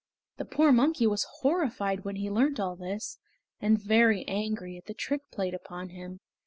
The poor monkey was horrified when he learnt all this, and very angry at the trick played upon him.